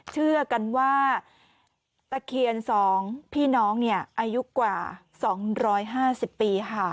เชื่อกันว่าตะเคียน๒พี่น้องอายุกว่า๒๕๐ปีค่ะ